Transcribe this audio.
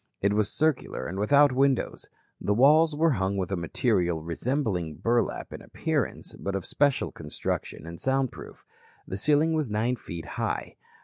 It was circular and without windows. The walls were hung with a material resembling burlap in appearance, but of special construction and sound proof. The ceiling was nine feet high.